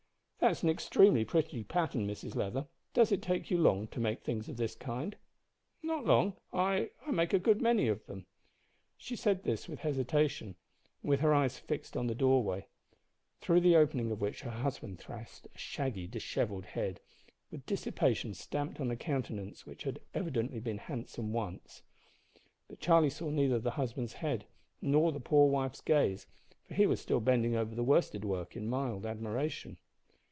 "That's an extremely pretty pattern, Mrs Leather. Does it take you long to make things of the kind?" "Not long; I I make a good many of them." She said this with hesitation, and with her eyes fixed on the doorway, through the opening of which her husband thrust a shaggy dishevelled head, with dissipation stamped on a countenance which had evidently been handsome once. But Charlie saw neither the husband's head nor the poor wife's gaze, for he was still bending over the worsted work in mild admiration.